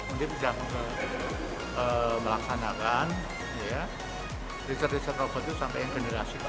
undip sudah melaksanakan riset riset robot itu sampai generasi ke empat